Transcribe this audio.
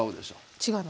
違いますね。